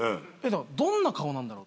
どんな顔なんだろう？